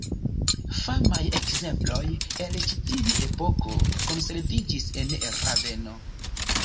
Famaj ekzemploj el ĉi tiu epoko konserviĝis en Raveno.